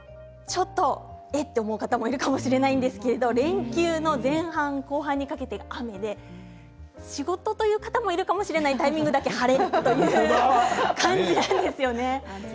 ちょっと、えっ？って思う方もいるかもしれませんが連休の前半後半にかけて雨で仕事という方もいるかもしれないタイミングだけ晴れるという感じなんですね。